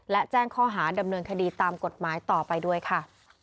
และแจ้งข้อหาดำเนินคดีตามกฎหมายต่อไปด้วยค่ะ